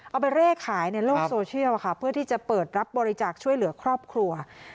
เอาไปเร่ขายในโลกโซเชียลค่ะเพื่อที่จะเปิดรับบริจาคช่วยเหลือครอบครัว